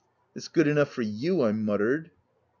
" It's good enough for you" I muttered.